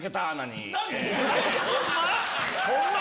ホンマ